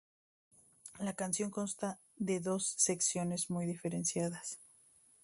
La canción consta de dos secciones muy diferenciadas.